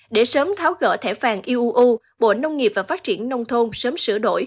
để sớm tháo gỡ thẻ vàng iuu bộ nông nghiệp và phát triển nông thôn sớm sửa đổi